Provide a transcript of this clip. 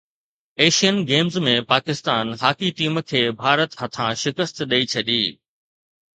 Asian games ۾ Pakistan hockey team کي ڀارت هٿان شڪست ڏئي ڇڏي